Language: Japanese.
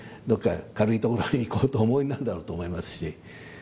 どこか軽い所に行こうとお思いになるだろうと思いますし。